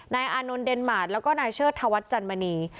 อานนท์เดนมาร์ทแล้วก็นายเชิดธวัฒน์จันมณี